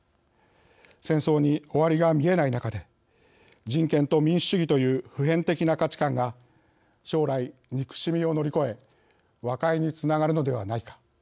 戦争に終わりが見えない中で人権と民主主義という普遍的な価値観が将来、憎しみを乗り越え和解につながるのではないか。